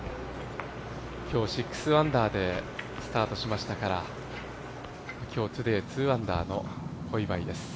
今日６アンダーでスタートしましたから今日トゥデイ、２アンダーの小祝です。